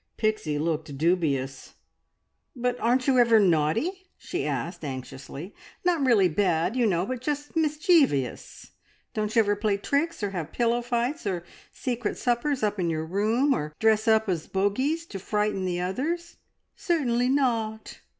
Pixie looked dubious. "But aren't you ever naughty?" she asked anxiously. "Not really bad, you know, but just mischeevious! Don't you ever play tricks, or have pillow fights, or secret suppers up in your room, or dress up as bogeys to frighten the others?" "Certainly not!"